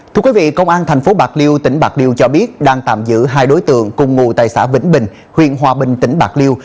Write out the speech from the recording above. thưa quý vị công an thành phố bạc liêu tỉnh bạc liêu cho biết đang tạm giữ hai đối tượng cùng ngủ tại xã vĩnh bình huyện hòa bình tỉnh bạc liêu